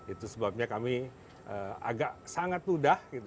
itu sebabnya kami agak sangat mudah gitu ya